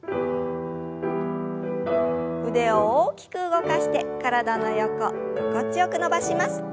腕を大きく動かして体の横心地よく伸ばします。